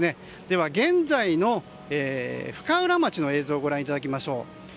では、現在の深浦町の映像をご覧いただきましょう。